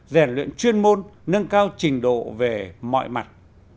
rèn luyện chuyên môn nâng cao trình độ về mọi mặt